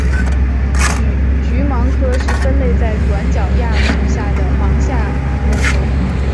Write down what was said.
鹬虻科是分类在短角亚目下的虻下目中。